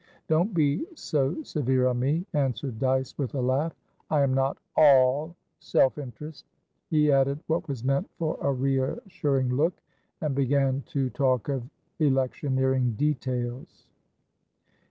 "Don't be so severe on me," answered Dyce, with a laugh. "I am not all self interest." He added what was meant for a reassuring look, and began to talk of electioneering details.